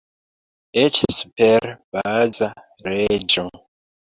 Eĉ super Baza Leĝo!